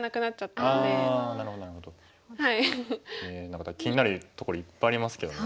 何か気になるところいっぱいありますけど。